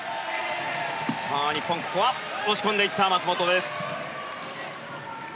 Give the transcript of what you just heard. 日本、ここは押し込んでいった松本です。